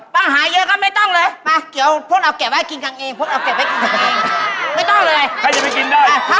เพื่ออะไรเนี่ยก็กินสิ